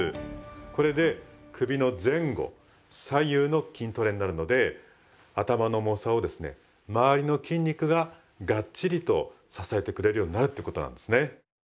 これで首の前後左右の筋トレになるので頭の重さをですね周りの筋肉がガッチリと支えてくれるようになるってことなんですね。